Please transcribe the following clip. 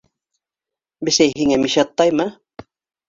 - Бесәй һиңә мишайттаймы?